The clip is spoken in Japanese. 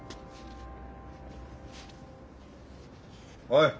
おい！